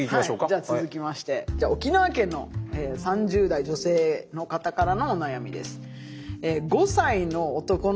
じゃあ続きまして沖縄県の３０代女性の方からのお悩みです。